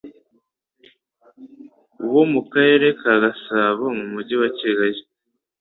wo mu Karere ka Gasabo mu Mujyi wa Kigali.